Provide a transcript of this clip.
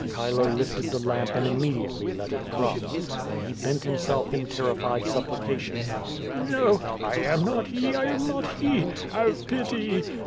Chile lifted the lamp and immedi ately let it drop. Then he bent himself in terrified supplica tion. "No, I am not he, I am not he. Have pity!